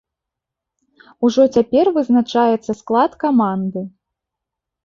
Ужо цяпер вызначаецца склад каманды.